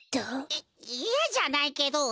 いいやじゃないけどうわ！